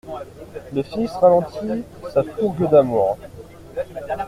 Le fils ralentit sa fougue d'amour.